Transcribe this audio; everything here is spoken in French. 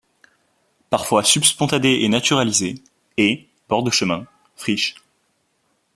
Parfois subspontané et naturalisé: Haies, bords de chemins, friches.